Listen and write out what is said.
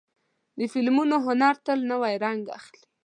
د فلمونو هنر تل نوی رنګ اخلي.